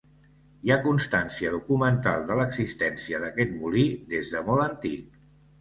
Hi ha constància documental de l'existència d'aquest molí des de molt antic.